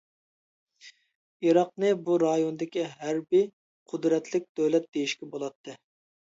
ئىراقنى بۇ رايوندىكى ھەربىي قۇدرەتلىك دۆلەت دېيىشكە بولاتتى.